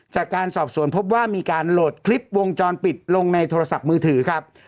จากการสอบสวนพบว่ามีการโหลดคลิปวงจรปิดลงในโทรศัพท์มือถือครับ